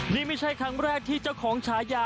นี่ไม่ใช่ครั้งแรกที่เจ้าของฉายา